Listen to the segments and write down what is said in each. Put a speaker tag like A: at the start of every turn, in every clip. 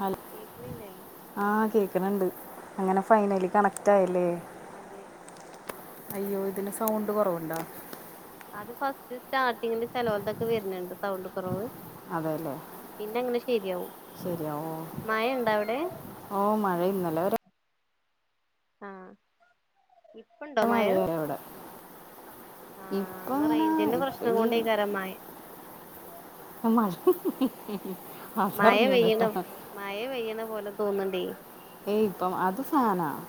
A: Hello
B: കേൾക്കുണ്ല്ല
A: ആ കേക്കണ്ണ്ട് അങ്ങനെ
B: ആഹ്
A: ഫൈനലി കണക്റ്റ് ആയില്ലെ?
B: അതെ
A: അയ്യോ ഇതിന് സൗണ്ട് കുറവുണ്ടോ?
B: അത് ഫസ്റ്റ് സ്റ്റാർട്ടിങ്ങിൽ ചെലലോ തൊക്കെ വരുന്നുണ്ട് സൗണ്ട് കുറവ്
A: അതെ അല്ലേ
B: പിന്നെ അങ്ങനെ ശരിയാവും
A: ശരിയാവോ
B: മഴ ഉണ്ടോ അവിടെ?
A: ഓ മഴ ഇന്നലെ ഒരെ
B: ആഹ് ഇപ്പണ്ടോ
A: പോ
B: മഴ
A: മഴയില്ല ഇവിടെ
B: ആഹ്
A: ഇപ്പൊ
B: ഇന്ന്
A: ങ്ങനാ
B: റേഞ്ചിന്റെ പ്രശ്നം
A: ഇപ്പനി
B: കൊണ്ടേക്കാരം മഴ
A: മ ഹി ഹി
B: മഴ പെയ്യുന്നു മഴ പെയ്യുന്ന പോലെ തോന്ന്ണ്ടേ
A: ഏയ് ഇപ്പം അത് ഫാനാണ്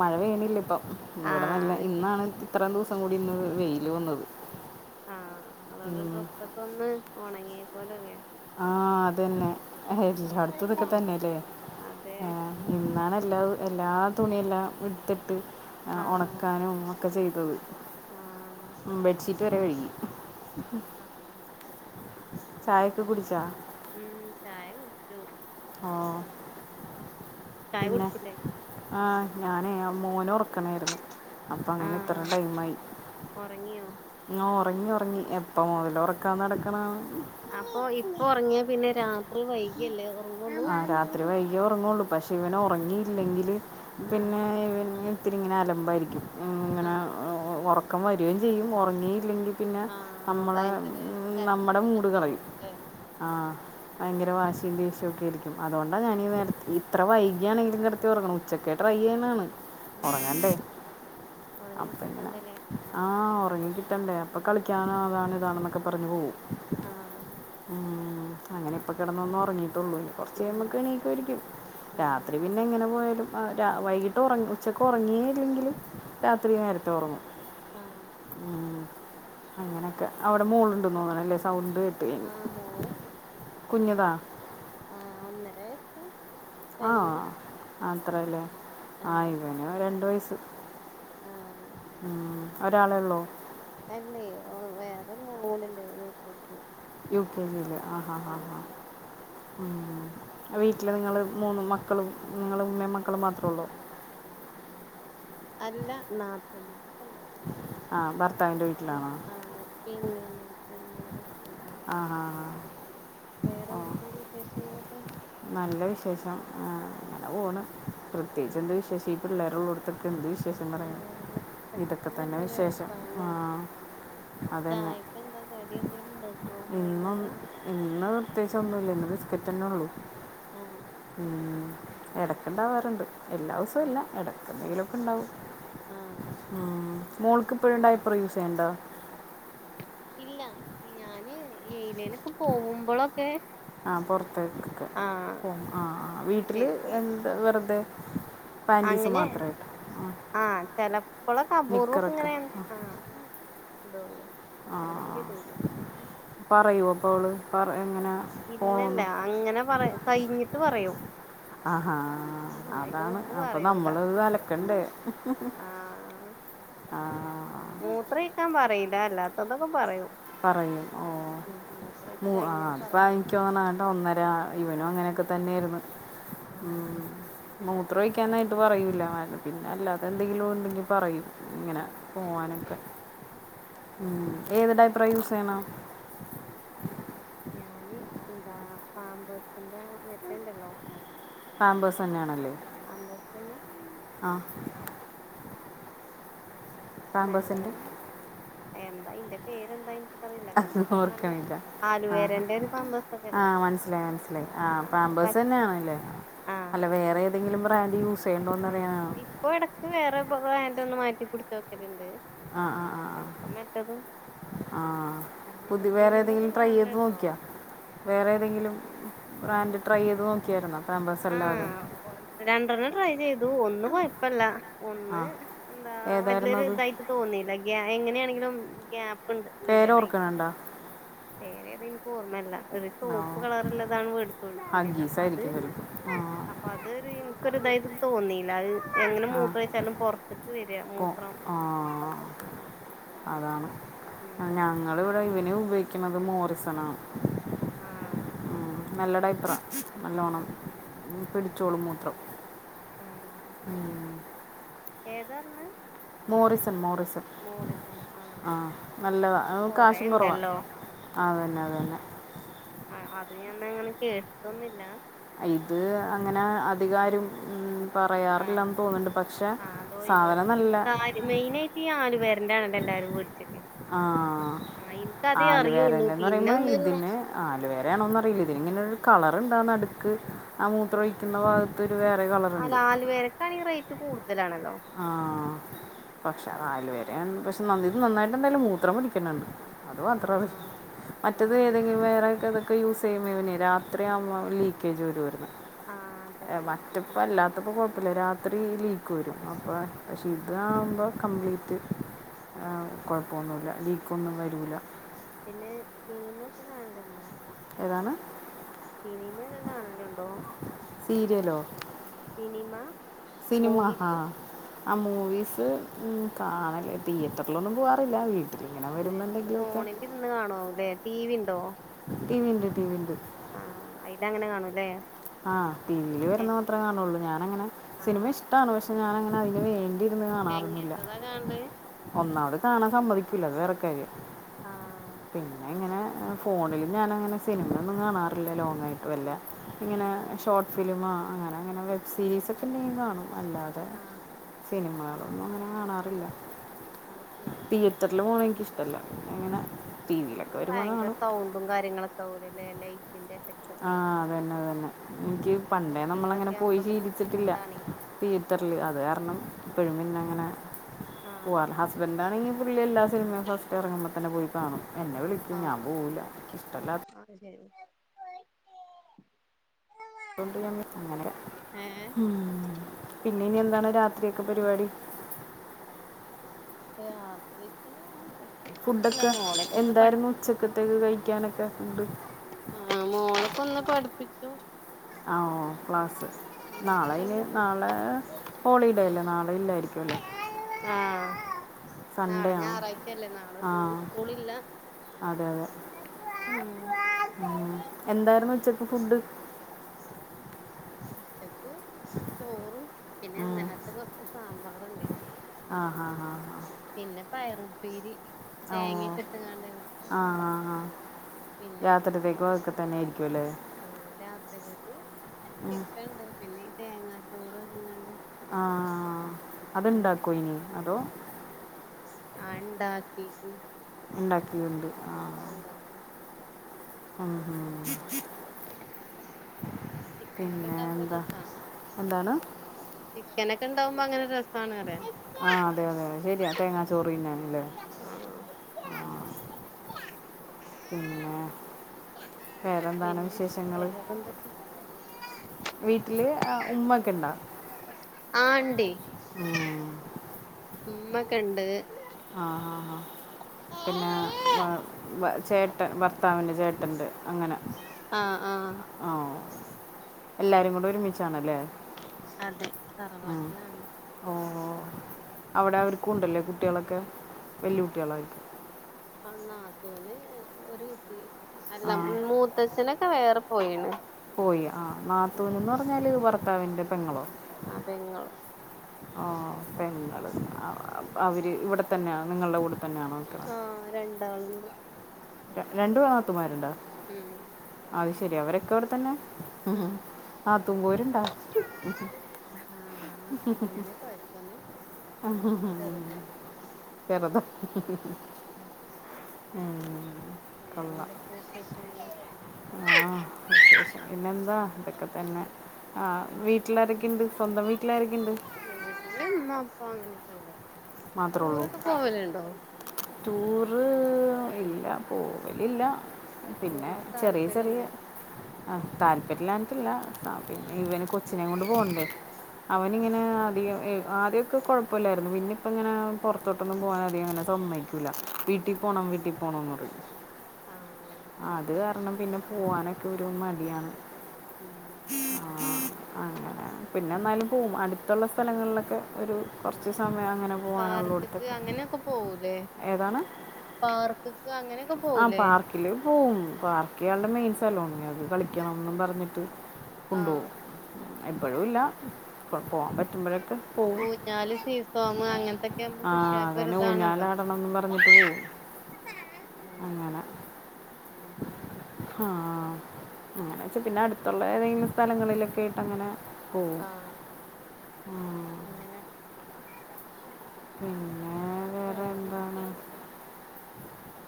A: മഴ പേയണില്ല ഇപ്പം ഇവിടെ നല്ല
B: ആഹ് ശരി
A: ഇന്നാണ് ഇത്രയും ദിവസം കൂടി ഇന്ന് വെയില് വന്നത്
B: ആഹ് അതോണ്ട്
A: ഉം.
B: ഡ്രസ്സൊക്കെ ഒന്ന് ഉണങ്ങിയേ പോലലെ
A: ആഹ് അതന്നെ എല്ലാട്ത്തും
B: ഉം
A: ഇതക്കെതന്നെല്ലേ
B: അതെ
A: ആഹ് ഇന്നാണ് എല്ലാ എല്ലാ തുണിയെല്ലാം ഇടുത്തിട്ട്
B: ആഹ്
A: ഉണക്കാനും ഒക്കെ ചെയ്തത്
B: ആഹ്
A: ബെഡ്ഷീറ്റ് വരെ കഴുകി
B: ആഹ്
A: ചായക്കെ കുടിച്ചാ
B: ഉം ചായ കുടിച്ചു.
A: ആഹ്
B: ചായ
A: പിന്നെ
B: കുടിച്ചില്ലേ
A: ആഹ് ഞാനെ ആ മോനെ ഉറക്കണയാര്ന്ന് അപ്പൊ അങ്ങനെ ഇത്രയും
B: ആഹ്
A: ടൈം
B: ഒറങ്ങിയോ
A: ആയിഓ ഉറങ്ങി ഉറങ്ങി എപ്പം മുതൽ ഉറക്കാന്ന് നടക്കണാണ്
B: വൈകിയല്ലോ
A: ആ രാത്രി വൈകി ഉറങ്ങുള്ളൂ പഷെ ഇവന് ഉറങ്ങിയില്ലെങ്കില്
B: ആഹ്
A: പിന്നെ ഇവന് ഇത്തിരി ഇങ്ങനെ അലമ്പായിരിക്കും ഇങ്ങനെ
B: ആഹ്
A: ഒറ റക്കം വരുകയും ചെയ്യും ഉറങ്ങിയില്ലെങ്കിൽ പിന്നെ
B: ആഹ്
A: നമ്മളെ
B: ഭയങ്കര കരച്ചില്
A: നമ്മുടെ മൂട
B: ഇതൊക്കെ
A: കളയും
B: ആവുല്ലേ
A: ആ ഭയങ്കര
B: ആഹ്
A: വാശി ഷം ഒക്കെ ആരിക്കും അതുകൊണ്ടാണ് ഞാൻീ നേരത്തെ ഇത്ര വൈകിയാണെങ്കിലും കിടത്തി തുറക്കണം ഉച്ചക്ക ട്രൈ ചെയ്യുന്നതാണ് ഉറങ്ങണ്ടേ
B: ആഹ് ഉറങ്ങി
A: അപ്പങ്ങന
B: കിട്ടണ്ടല്ലേ
A: ആഹ ഉറങ്ങിക്കിട്ടണ്ടേ അപ്പൊ കളിക്കാനാണ് അതാണ് ഇതാണ്ണെന്നൊക്കെ പറഞ്ഞു പോകവും
B: ആഹ്
A: ഉ അങ്ങനെ ഇപ്പൊ കിടന്നൊന്നും ഉറങ്ങീട്ടുള്ളൂ കുറച്ച്
B: ഉം
A: കഴ്പോക്കക്ക് എണീക്കരിക്കും
B: ആഹ്
A: രാത്രി പിന്നെ എങ്ങനെ പോയാലും വൈകിട്ട് ഉറ ഉച്ചക്ക് ഉറങ്ങിയേ ഇല്ലെങ്കിലിൽ രാത്രി നേരത്തെ ഉറങ്ങും
B: ആഹ്
A: ഉ അങ്ങനെയൊക്കെ അവിടെ മോളുണ്ട് തോന്നണല്ലേ സൗണ്ട് പി
B: ആഹ് മോളുണ്ട്
A: കുഞ്ഞതാ
B: ആഹ ഒന്നര വയസ്സ്
A: ആഹ
B: കഴിയണ്
A: അത്രല്ലേ
B: ആഹ്
A: ആയിവന രണ്ട വയസ്
B: ആഹ്
A: ഉ ഒരാള ഉള്ളൂ
B: അല്ലേ വേറൊന്ന മഓളണ്ട്േ യുവത്തി
A: യു കെ ജയില ആ ഹാ ഹാ ഹാ ഉ വീട്ടില് നിങ്ങള് മൂന്ന് മക്കളും നിങ്ങള് ഉമ്മേ മക്കളും മാത്രേ ഉള്ളൂ
B: അല്ല നാത്തമാരൊക്കെണ്ട്
A: ആഹ ബർ
B: ആഹ് പി മാ
A: ആഹ
B: വേറെ
A: ആഹ ഓ
B: എന്തൊക്കെയുണ്ട് വിശേഷങ്ങളൊക്കെ
A: നല്ല വിശേഷം ആ അങ്ങനെ പോകണ് പ്രത്യേകിച്ച്
B: ഉം
A: എന്ത് വിഷേഷം ഈ പിള്ളേരുള്ളോടു എന്ത് വിശേഷം പറയാ ഇതൊക്കെ തന്നെ വിശേഷം ആ
B: ചായക്ക എന്താ കടി എന്തേിലും ഇണ്ടോ
A: ഇന്നൊ ഇന്ന് പ്രത്യേകിച്ച ഒന്നുമല്ല ഇന്ന് ബിസ്ക്കറ്റ് തന്നെ ഉള്ളു
B: ആഹ
A: ഉം ഇടക്കുണ്ടാവാറുണ്ട് എല്ലാ ദിവസവും അല്ല
B: ആഹ്
A: ഇടക്കെന്തെങ്കിലുംക്കെ ഉണ്ടാവും
B: ആഹ്
A: ഉ മോൾക്ക് ഇപ്പോഴുണ്ടായ പ്ര യൂസ് ചെയ്യണ്ട
B: ഇല്ല ഞാന് ലേനൊക്കെ പോകുമ്പോളൊ
A: ആഹ പുൊറത്തേക്ക്ക്കെ
B: ആഹ്
A: പോ ആഹ് വീട്ടില്
B: ശരിക്ക്
A: എന്താ വെറുതെ പാൻറ്റീസ്
B: അങ്ങനെ
A: മാത്രമായിട്ട് ആ
B: ആഹ ചല കുളക്കാ ബൂർവക്ക ഇങ്ങനെ
A: നിക്കറൊക്കെ
B: ആ ഇതള്ളൂ അല്ലെങ്കി ഇതൂല
A: പറയൂപ്പോ അവള് പറ എങ്ങനെ
B: ഇല്ലല്ല
A: പോകണമെന്ന്
B: അങ്ങനെ പറ കഴിഞ്ഞിട്ട് പറയോ
A: ആഹാ അതാണ്
B: മുമ്പ്
A: അപ്പൊ
B: പറയൂല
A: നമ്മള് നലക്കണ്ട ആഹ
B: മൂത്ര ഇക്കാൻ പറയില അല്ലാത്തതൊക്കെ പറയൂ
A: പറയും ഓ മ ആ
B: കഴിഞ്ഞാ
A: അപ്പോ
B: പറയും
A: അിക്കോന്ന ആകട്ട ഒന്നര ഇവനും അങ്ങനെയൊക്കെ തന്നെയായിരുന്നു
B: ആഹ്
A: ഉം ന എത്ര വഴിക്കക്കാനായിട്ട് പറയൂല്ല മാ പിന്നെ അല്ലത എന്തെങ്കിലും ഉണ്ടെങ്കിൽ പറയും ഇങ്ങനെ
B: ആഹ്
A: പോവാനൊക്കെ ഉ
B: ആഹ്
A: ഏത് ടൈപ്പ് പ്ര യൂസ് ചെയ്യണ
B: ഞാന് എന്താ പാമ്പേസിന്റെ മെറ്റ ഇണ്ടല്ലോ
A: പാമ്പേഴ്സ് തന്നെയാണല്ലേ ആഹ
B: നല്ലതന്നെ എന്താ ഇറെ പേരെന്താ ഇൻക്കറിയില്ല കറക്റ്റ് നല്ല
A: ഓർക്കില്ല ആ
B: ആലുവേരന്റെ ഒരു പാമ്പേഴ്സൊക്കെല്ലേ
A: ആഹ മനസിലായി മനസിലായി ആ
B: ആഹ്
A: പാമ്പ
B: ഒരു പച്ച
A: ഏതെങ്കിലും ബ്രാൻഡ് യൂസ് ചെയ്യണ്ടോന്ന്
B: ആഹ
A: അറിയാനാണ്
B: ഇപ്പൊ ഇടക്ക് വേറെ അന്റെ ഒന്ന് മാറ്റി കുടിച്ച് നോക്കലണ്ട് ചിലപ്പം മറ്റതും
A: ആഹ
B: അങ്ങനെ
A: പുതിയ വേറെ ഏതെങ്കിലും
B: സിനിമയൊക്കെ
A: ട്രൈ ചെയ്ത്
B: കാണല്ണ്ടോ
A: നോക്കിയാ വേറെ ഏതെങ്കിലും ബ്രാൻഡ് ട്രൈ ചെയ്ത് നോക്കിയായിരുന്നോ പമ്പേഴസ അല്ലാതെ
B: ആഹ് രണ്ടെണ്ണം ട്രൈ ചെയ്തു ഒന്നും കുഴപ്പല്ല
A: ആ
B: ഒന്ന് എന്താ
A: ഏതായിരുന്നു
B: വലൊരു
A: അത്
B: ഇതായിട്ട് തോന്നില്ല ഗ എങ്ങനെയാണെങ്കിലും ഗാ്
A: പേര ഓർക്കണണ്ടോ
B: വേറെ ഏത എനിക്ക് ഓർമ്മല്ല ഒരു സോപ്പ് കളർ ഉള്ളതാണ് മേടിച്ചുൊളിക്കത്
A: ഹഗ്ഗീസ്
B: അപ്പൊ അത്
A: ആയിരിക്കും ചിലപ്പോൾ ആ
B: അപ്പൊ അത് ൻക്കൊരു ഇതായത് തോന്നീയില്ല അത് എങ്ങനെ
A: ആ
B: മൂത്രം വെച്ചാലും പൊറത്തേക്ക് വരിക
A: പോ
B: മൂത്രം
A: ആ
B: ആഹ
A: അതാണ് ഞങ്ങള ഇവിടെ ഇവന ഉപയോഗിക്കുന്നത് മോറിസൺ ആണ്
B: ആഹ
A: നല്ല ടൈപ്പറാണ് നല്ലവണ്ണം പിടിച്ചോളൂ മൂത്രം
B: ആഹ ശരി ഏതാഞ്ഞ
A: മോറിസൺ മോറിസൺ
B: ആഹ്
A: ആഹ നല്ലതാണ് കാശും കുറവാാണ്
B: കൊറേണ്ടല്ലോ അത് ഞന്ന അങ്ങനെ കേൾട്ടൊുന്നില്ല
A: ഇത് അങ്ങനെ അധികാരം ഉ
B: ആഹ് ആ അതോയി
A: സാധനം നല്ല
B: കാല മെയിനായിട്ട് ഈ ആല് പേര ആണല്ല എല്ലാരും വേടിച്ചല്
A: ആഹ
B: ആ ഇൻക്കതേ അറിയുള്ളൂ
A: ആലുവേരന്റെന്ന്
B: പിന്നെ
A: പറയുമ്പോ
B: ഒന്ന്
A: ഇതിന്
B: പ്രാവശ്യം
A: ആലുവേരയാണോന്ന് അറിയില്ല ഇതി ഇങ്ങനെരു കളറ്ണ്ടാ നടുക്ക് ആ മൂത്രൊഴിക്കുന്ന ഭാഗത്ത് ഒരു വേറെ
B: അല്ല
A: കളറ്ണ്ട്
B: ആലുവേരക്കാണെങ്കി റേറ്റ് കൂടുതലാണല്ലോ
A: ആ പക്ഷെ നല് വേര പക്ഷെ നിത് നന്നായിട്ട് എന്തായാലും മൂത്രം പിടിക്കണണ്ട് അത്
B: ആ ആ
A: മാത്രറിയും
B: ആ
A: മറ്റേത് ഏതെങ്കിലും വേറെക്കെ ത് ക്കെ യൂസെയ്യുമ്പഇവനെ രാത്രി ആവുമ്പോ ലീക്കേജ് വരുആയിര്ന്ന്
B: ആ അതെ
A: മറ്റപ്പ
B: അതന്നെ
A: അല്ലാത്തപ്പ കൊഴപ്പില്ല രാത്രി ഈ ലീക്ക് വരും അപ്പോ പക്ഷെ ഇത്
B: ഉം
A: ആവുമ്പോ കംപ്ലീറ്റ് കൊഴപ്പൊന്നുല്ല ലീക്കൊന്നും വരൂല
B: പിന്നെ സിനിമ കാണലുണ്ടോ [unintelligible] കാണലുണ്ടോ
A: സീരിയലോ
B: സിനിമ
A: സിനിമ ഹ
B: മൂവീസ്
A: അമൂ വിസ്‌ കാണല് തീയേറ്റർലൊന്നും പൂവാറില്ല വീട്ട
B: വീട്ട്ല് ഫോണിലിരുന്ന് കാണോ തെ ട്ടീവിണ്ടോ
A: ടി വി ഉണ്ട് ടി വി ഉണ്ട്
B: ആഹ് ഇതങ്ങനെ കാണും
A: ആഹ് ടിവില് വരുന്ന മാത്രെ കാണോള്ളൂ ഞാനങ്ങനെ
B: ആ
A: സിനിമ ഇഷ്ട്ടാണ് പക്ഷെ ഞാനങ്ങനെഅയ്ന് വേണ്ടി ഇരുന്ന് കാണാറൊന്നില്ല
B: എങ്ങനത്തതാ കാണല്
A: ഒന്നാമത് കാണാൻ സമ്മതിക്കൂല അത് വേറെക്കാര്യം
B: ആ
A: പിന്നെ ഇങ്ങനെ ഫോണില് ഞാനങ്ങനെ സിനിമൊന്നും കാണാറില്ല ലോങ്ങായിട്ട് വല്ല ഇങ്ങനെ ഷോർട്ട് ഫിലിമ അങ്ങനെ അങ്ങനെ വെബ് സീരീസൊക്കെ എന്തെങ്കിലും കാണും അല്ലാതെ
B: ആ
A: സിനിമകളൊന്നും അങ്ങനെ കാണാറില്ല
B: അത് ശരി
A: തിീയേറ്ററില് പോണ എനിക്കിഷ്ടല്ല എങ്ങനെ
B: ഭയങ്കര സൗണ്ടും കാര്യങ്ങളൊക്കെആവുലല്ലേ ലൈറ്റിന്റെ എഫക്റ്റ് ഒക്കെ
A: ആഹ അതന്നെ അതനെ എനിക്ക്
B: ആഹ്
A: പണ്ടേ നമ്മള അങ്ങനെ
B: കുട്ടികളൊക്കെ
A: പോയി
B: ആവുമ്പളൊക്കെ
A: ഷീലിച്ചിട്ടില്ല
B: ബുദ്ധിമുട്ടാണേ
A: പി ർല് അത് കാരണം ഇപ്പഴും പിന്നെ അങ്ങനെ
B: ആഹ്
A: പോവാറ് ഹസ്ബന്റാണെങ്കി പുള്ളി എല്ലാ സിനിമയും ഫസ്റ്റ് എറങ്ങുമ്പതന്നെ പോയ്കാണും എന്നെ വിളിക്കും ഞാൻ
B: ആഹ്
A: പോവൂല എനിക്കിഷ്ടല്ലാത്ത
B: [unintelligible]
A: അതോണ്ട്
B: ഏഹ്
A: [unintelligible] ഉ പിന്നെ ഇനി എന്താണ് രാത്രിയക്കെ
B: അങ്ങനൊക്കെ
A: പരിപാടി
B: രാത്രിയക്ക് ഞാൻ
A: ഫുഡൊക്കെ എന്തായ്രുന്നു ഉച്ചക്കത്തേക്ക് കഴിക്കാനൊക്കെ ഫുഡ്
B: ആഹ് മോളൊക്കെ ഒന്ന് പഠിപ്പിക്കും
A: അ ഓ ക്ലാസ്
B: അതൊക്കെ
A: നാളെയ്ന്
B: തന്നെ
A: നാളെ ഹോളിഡേ
B: ഉം
A: അല്ലേ നാളെ ഇല്ലായിരിക്കും ല്ലേ
B: ആഹ് നാളെ ഞായറാഴ്ചല്ലേ
A: ആ
B: നാളെസ്കൂള് സ്കൂളില്ല ഹ്
A: എന്തായ്ര്ന്ന് ഉച്ചക്ക് ഫുഡ്
B: ഉച്ചക്ക് ചോറും പിന്നെ
A: ഉം.
B: ഇന്നലത്തെ കൊറച്ച് സാമ്പാറ്ണ്ടായ്ര്ന്ന്
A: ആ ഹാ ഹാ ഹാ
B: പിന്നെ പയറും
A: ഓ ആഹ
B: വെക്കുള്ളൂ അങ്ങനെ
A: ആഹ് ആഹ രാത്രിത്തേക്കും അതൊക്കെ തന്നെ ആയിരിക്കുംല്ലേ
B: ആഹ രാത്രികൽക്ക് ചിക്കൻണ്ട് പിന്നെ ഈ തേങ്ങാചോറാക്കിങ്ങാണ്ട്
A: ആ അത്ണ്ടാക്കോ അയ്ന് അതോ
B: ആ ഇണ്ടാക്കിക്ക്ണ്
A: ഇണ്ടാക്കിയുണ്ട് ആ
B: ഇപ്പ ഇണ്ടാക്കി
A: ഉം
B: ചിക്കനൊക്കെ
A: പിന്നെ
B: ഇണ്ടാവുമ്പോ ഒരു
A: എന്താ
B: രസ
A: എന്താണ്
B: ചിക്കനെ ണ്ടാവുമ്പോ അങ്ങനെ രസ്
A: ആഹ അതെ അതെതെ ശരിയാ തേങ്ങാ ചോറിന്നാന്ല്ലേ
B: ആഹ്
A: പിന്നെ വേറെന്താണ്
B: പിന്നെ വേറെന്തൊക്കെ
A: വീട്ടില് ഉമ്മ ഒക്കെ ഇണ്ടാ
B: ആ ഇണ്ടേ
A: ആ
B: ഉമ്മൊക്കെ ഉണ്ട്
A: ആ ആ പിന്നെ വ ചേട്ടൻ ഭർത്താവിന്റെ ചേട്ടണ്ട് അങ്ങനെ
B: ആഹ
A: ഓ എല്ലാരും കൂടെ ഒരുമിച്ചാണല്ലേ
B: അതെ
A: ഉ
B: തറവാട്ടിലാണ്
A: ഓ അവിടെ അവർക്കും ഉണ്ടല്ലേ കുട്ടികളൊക്കെ വെല്ല്യ കുട്ടികളായിരിക്കും
B: അന്നാത്തോന് ഒരു കുട്ടി അല്ല
A: ആ
B: മൂത്തച്ഛനൊക്കെ വേറെ പോയിണ്
A: പോയി ആ്
B: ഉം
A: നാത്തൂനന്ന് പറഞ്ഞാല്ത് ഭർത്താവിന്റെ പെങ്ങളോ
B: ആഹ് പെങ്ങള്
A: ഓ പെങ്ങൾ അവര് ഇവിടെ തന്നെയാ നിങ്ങളുടെ കൂടെ തന്നെയാണോ
B: ആഹ രണ്ടാള
A: രണ്ടു നാത്തുമാരുണ്ടോ
B: ഉം
A: അത് ശരി അവരൊക്കെ അവടെ തന്നെ
B: ആഹ്
A: നാത്തൂൻ പോരുണ്ടോ
B: ആഹ് അങ്ങനെ കുഴപ്പമൊന്നുമില്ല
A: ആ [unintelligible]
B: ഉം
A: ഉം
B: വേറെന്തൊക്കെയ വിശേഷം
A: ആഹ വിശേഷം പിന്നെന്താ ഇതൊക്കെ തന്നെ ആ വീട്ടിലാരൊക്കെ ഉണ്ട് സ്വന്തം വീട്ടില
B: ട്ട ഇമ്മ പ്പാ അങ്ങനെയൊക്കെണ്ട്
A: മാത്രമേ ഉള്ളൂ
B: ടൂറൊക്കെ പോവലണ്ടോ
A: ടൂറ് ഇല്ല പോകലില്ല പിന്നെ
B: ടൂറിനോട്
A: ചെറിയ ചെറിയ
B: താല്പര്യല്ലേ
A: ആ താല്പര്യല്ലാഞ്ഞിട്ടല്ല പിന്നെ ഇവന് കൊച്ചിനെയ കൊണ്ട് പോവണ്ടേ അവനി ഇങ്ങനെ അധികം ആദ്യമൊക്കെ കുഴപ്പമില്ലായിരുന്നു പിന്നെ ഇപ്പ ഇങ്ങനെ പുറത്തോട്ടൊന്നും പോകാൻ അധികം അങ്ങനെ സമ്മക്കൂല്ല വീട്ടിൽ പോണം വീട്ടിൽ പോണംന്ന് പറയും
B: ആഹ്
A: അത് കാരണം പിന്നെ പോവാനൊക്കെ ഒരു മടിയാണ്
B: ഉം
A: ആ, അങ്ങനെ പിന്നെ എന്നാലും പോകും അടുത്തുള്ള സ്ഥലങ്ങളിലൊക്കെ ഒരു കുറച്ച് സമയം അങ്ങനെ പോവാനള്ളൂ അടുത്തക്കെ
B: പാർക്ക്ക്ക
A: ആ പാർക്കില് പോകും പാർക്കയാളുടെ മെയിൻ സ്ഥലണ അത് കളിക്കണംന്നും പറഞ്ഞിട്ട്
B: ആഹ്
A: കൊണ്ടുപോവും എപ്പോഴുല്ല കുഴപ്പ പോ പറ്റുമ്പോഴൊക്കെ പോവും
B: ഊഞ്ഞാല് സീസോം അങ്ങനത്തൊക്കെ ആകുമ്പോ
A: ആ
B: കുട്ടികൾക്ക്
A: അങ്ങനെ
B: ഒരിതാണല്ലോ
A: ഊഞ്ഞാലാടണം റിഞ്ഞിട്ട് പോയ
B: [unintelligible]
A: അങ്ങനെ
B: ഉം
A: ആഹ ആ അങ്ങനെ വെച്ചൽ പിന്നെ അടുത്തുള്ള ഏതെങ്കിലും സ്ഥലങ്ങളിലൊക്കെ ആയിട്ട് അങ്ങനെ പോ
B: ആഹ്
A: ആ
B: അങ്ങനെ
A: പിന്നെ വേറെ
B: വേറെന്തൊക്കെയാ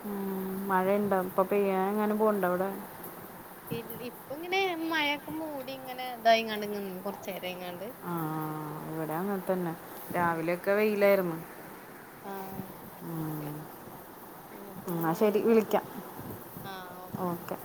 A: ഉം മഴയ ഇണ്ടോ ഇപ്പൊ പെയ്യാനെങ്ങാനും പോവ്ണ്ടോ അവിടെ
B: ഇപ്പ ഇങ്ങനെ മഴൊക്കെ മൂടി ഇങ്ങനെ ഇതായി കണ്ട കൊറച്ചരം
A: ആഹ ഇവിടെ അങ്ങനെ തന്നെ രാവിലെയ ഒക്കെ വെയിലായിരുന്നു
B: ആഹ
A: ഉം.
B: പിന്ന പിന്നെ
A: എന്നാൽ
B: മയ
A: ശരി
B: മൂടി
A: വിളിക്കാം
B: ആഹ ഓക്കൊ
A: ഓക്കെ